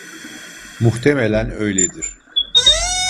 Muhtemelen öyledir.